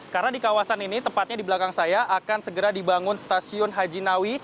karena di kawasan ini tepatnya di belakang saya akan segera dibangun stasiun hajinawi